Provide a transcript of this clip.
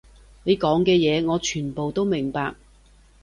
你講嘅嘢，我全部都明白